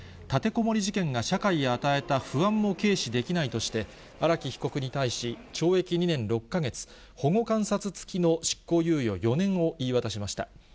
立てこもり事件が社会に与えた不安も軽視できないとして、荒木被告に対し、懲役２年６か月、保護観察付きの執行猶予４年を言い渡しました。